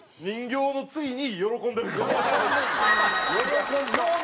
人形の次に喜んでる顔。